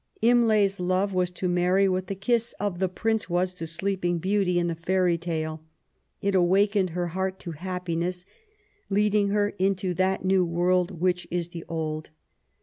Imlay's love was to Mary what the kiss of the Prince was to the Sleeping Beauty in the fairy tale. It awakened her heart to happiness, leading her into that new world which is the old.